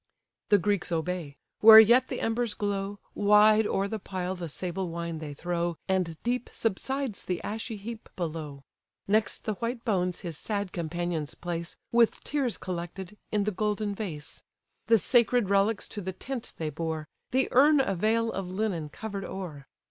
The Greeks obey; where yet the embers glow, Wide o'er the pile the sable wine they throw, And deep subsides the ashy heap below. Next the white bones his sad companions place, With tears collected, in the golden vase. The sacred relics to the tent they bore; The urn a veil of linen covered o'er.